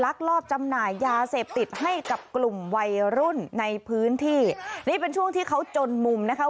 ลอบจำหน่ายยาเสพติดให้กับกลุ่มวัยรุ่นในพื้นที่นี่เป็นช่วงที่เขาจนมุมนะคะ